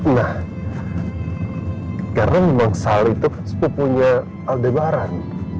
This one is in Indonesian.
nah karena memang sal itu kan sepupunya aldebaran